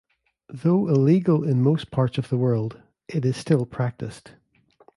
Though illegal in most parts of the world, it is still practiced.